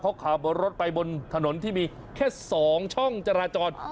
เขาขับรถไปบนถนนที่มีแค่๒ช่องจราจร